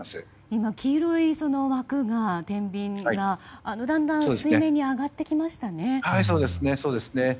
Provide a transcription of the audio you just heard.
今、黄色い枠が天秤がだんだん水面に上がってきましたね。